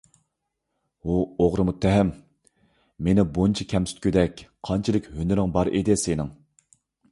ھۇ ئوغرى مۇتتەھەم! مېنى بۇنچە كەمسىتكۈدەك قانچىلىك ھۈنىرىڭ بار ئىدى سېنىڭ؟